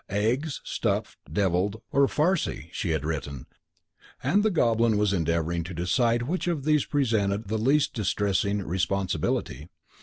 "Eggs, stuffed, devilled, or farci," she had written, and the Goblin was endeavouring to decide which of these presented the least distressing responsibility.